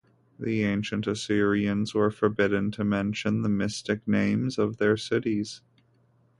The ancient Assyrians were forbidden to mention the mystic names of their cities.